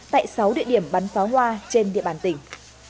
tại sáu địa điểm bắn pháo hoa trên địa bàn tỉnh